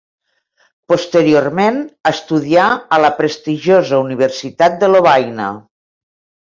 Posteriorment estudià a la prestigiosa Universitat de Lovaina.